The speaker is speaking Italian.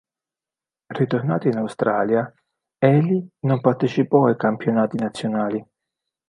Ritornato in Australia, Healy non partecipò ai campionati nazionali.